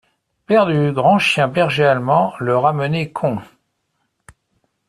Perdu grand chien berger allemand, le ramener con.